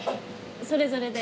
それぞれで。